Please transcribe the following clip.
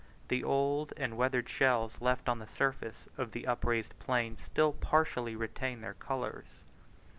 The old and weathered shells left on the surface of the upraised plain still partially retain their colours.